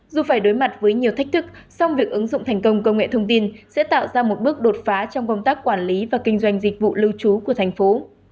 dù phải đối mặt với nhiều thách thức song việc ứng dụng thành công công nghệ thông tin sẽ tạo ra một bước đột phá trong công tác quản lý và kinh doanh dịch vụ lưu trú của thành phố